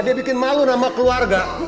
dia bikin malu sama keluarga